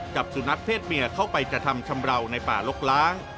จับสุนัขเพศเมียเข้าไปกระทำชำราวในป่าลกล้าง